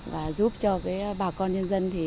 và giúp cho bà con nhân dân